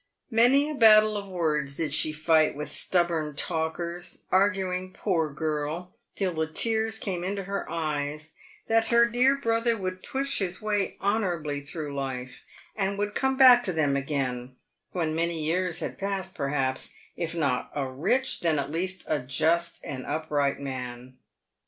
Many a battle of words did she fight with stubborn talkers, arguing, poor girl, till the tears came into her eyes, that her dear brother would push his way honourably through life, and would come back to them again — when many years had passed perhaps — if not a rich, at least a just and upright man.